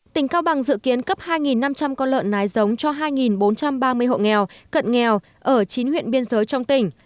tỉnh cao bằng dự kiến cấp hai năm trăm linh con lợn nái giống cho hai bốn trăm ba mươi hộ nghèo cận nghèo ở chín huyện biên giới trong tỉnh